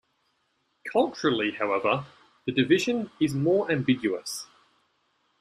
Culturally, however, the division is more ambiguous.